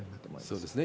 そうですね。